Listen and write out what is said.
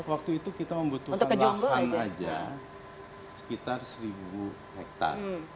waktu itu kita membutuhkan lahan aja sekitar seribu hektare